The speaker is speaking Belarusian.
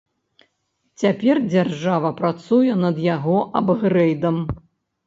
Цяпер дзяржава працуе над яго абгрэйдам.